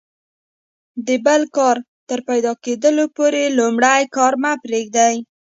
د بل کار تر پیدا کیدلو پوري لومړی کار مه پرېږئ!